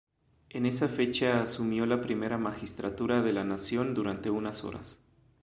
En esa fecha asumió la primera magistratura de la nación durante unas horas.